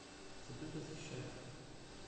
C'est tout aussi cher.